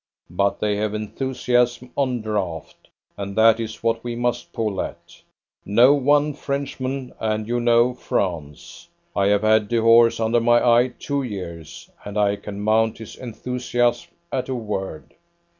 But they have enthusiasm on draught, and that is what we must pull at. Know one Frenchman and you know France. I have had Dehors under my eye two years, and I can mount his enthusiasm at a word.